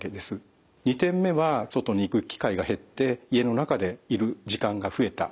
２点目は外に行く機会が減って家の中でいる時間が増えた。